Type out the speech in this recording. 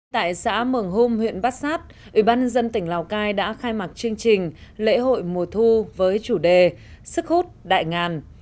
tại xã mường hôm huyện bát sát ủy ban dân tỉnh lào cai đã khai mạc chương trình lễ hội mùa thu với chủ đề sức hút đại ngàn